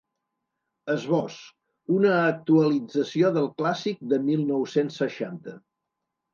Esbós: Una actualització del clàssic de mil nou-cents seixanta.